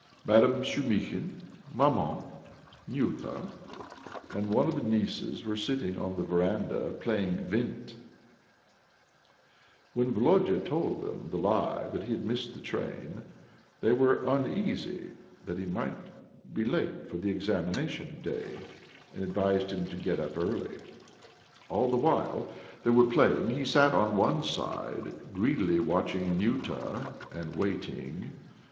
Madame Shumihin, Maman, Nyuta, and one of the nieces were sitting on the verandah, playing vint. When Volodya told them the lie that he had missed the train, they were uneasy that he might be late for the examination day, and advised him to get up early. All the while they were playing he sat on one side, greedily watching Nyuta and waiting....